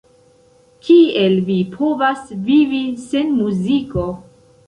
Kiel vi povas vivi sen muziko?